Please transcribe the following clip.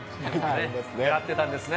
狙ってたんですね。